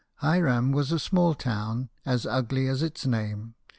Hiram was a small town, as ugly as its name.